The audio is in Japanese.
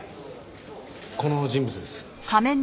この人物です。